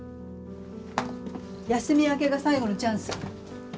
休み明けが最後のチャンス。